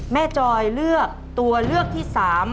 จอยเลือกตัวเลือกที่๓